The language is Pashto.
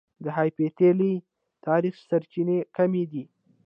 د هېپتالي تاريخ سرچينې کمې دي